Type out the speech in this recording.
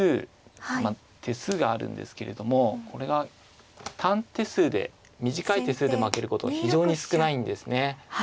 まあ手数があるんですけれどもこれが短手数で短い手数で負けることが非常に少ないんですね。